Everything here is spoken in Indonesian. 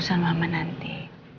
walaupun keputusan mama nanti